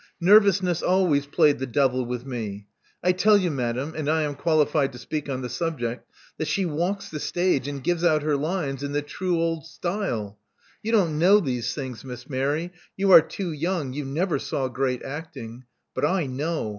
Nervousness always played the devil with me. I tell you, madame — and I am qualified to speak on the subject — that she walks the stage and gives out her lines in the true old style. You don't know these things, Miss Mary: you are too young: you never saw great acting. But I know.